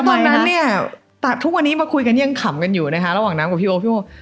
วันนั้นเนี่ยทุกวันนี้มาคุยกันยังขำกันอยู่นะคะระหว่างน้ำกับพี่โอ๊คพี่โอ